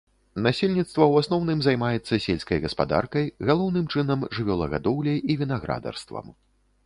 Насельніцтва ў асноўным займаецца сельскай гаспадаркай, галоўным чынам жывёлагадоўляй і вінаградарствам.